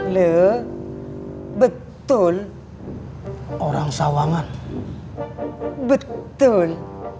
le betul orang sawangan betul